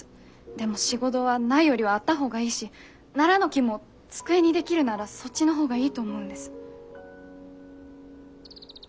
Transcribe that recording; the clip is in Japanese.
でも仕事はないよりはあった方がいいしナラの木も机に出来るならそっちの方がいいと思うんです。